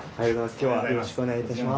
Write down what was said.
今日はよろしくお願いいたします。